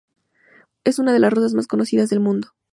Es una de las rosas más conocidas del mundo.